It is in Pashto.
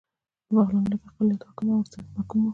په بغلان کې اقليت حاکم او اکثريت محکوم و